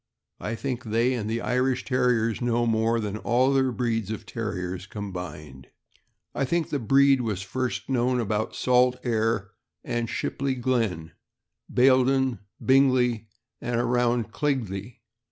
I think they and the Irish Terriers know more than all the other breeds of Terriers combined. I think the breed was first known about Salt Aire and Shipley Glen, Bayl don, Bingley, and around Keighley.